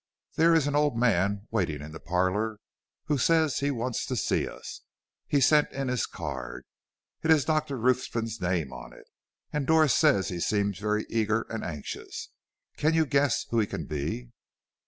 "There is an old man waiting in the parlor who says he wants to see us. He sent in this card it has Dr. Ruthven's name on it and Doris says he seemed very eager and anxious. Can you guess who he can be?"